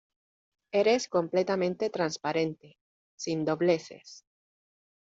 eres completamente transparente, sin dobleces.